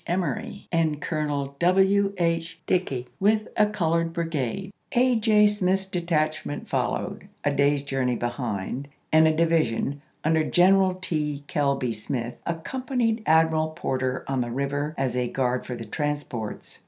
Emory, and Colonel W. H Dickey with a colored brigade. A. J. Smith's detachment followed, a day's journey behind, and a division, under General T. Kilby Smith, accompanied Admiral Porter on the river as a guard for the transports.